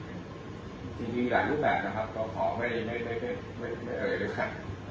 จริงหลายรูปแบบนะครับก็ขอไม่เอาอะไรเลยค่ะ